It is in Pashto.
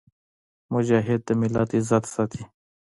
مجاهد د ملت عزت ساتي.